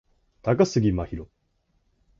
高杉真宙